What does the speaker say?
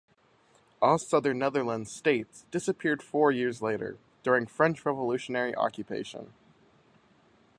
All Southern Netherlands "States" disappeared four years later, during French revolutionary occupation.